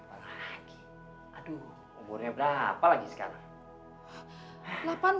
aduh umurnya berapa lagi sekarang